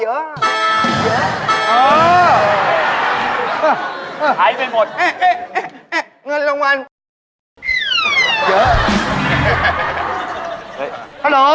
เยอะ